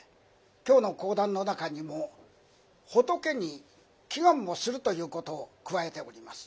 今日の講談の中にも仏に祈願をするということを加えております。